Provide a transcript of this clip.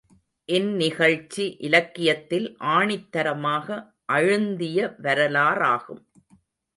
இந்நிகழ்ச்சி இலக்கியத்தில் ஆணித்தரமாக அழுந்திய வரலாறாகும்.